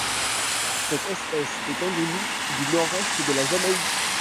Cette espèce est endémique du Nord-Est de la Jamaïque.